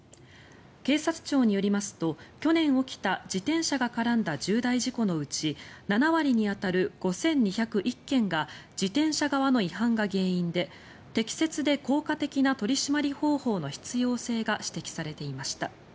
警察庁によりますと去年起きた自転車が絡んだ重大事故のうち７割に当たる５２０１件が自転車側の違反が原因で適切で効果的な取り締まり方法の必要性が指摘されていました。